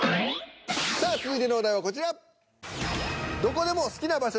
さあ続いてのお題はこちら。